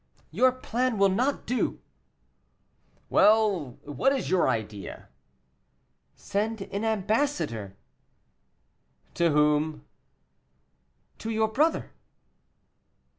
"Your plan will not do." "Well, what is your idea?" "Send an ambassador." "To whom?" "To your brother."